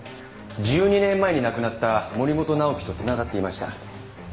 １２年前に亡くなった森本直己と繋がっていました。